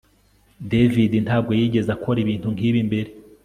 David ntabwo yigeze akora ibintu nkibi mbere